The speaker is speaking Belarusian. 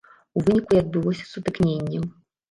У выніку і адбылося сутыкненне.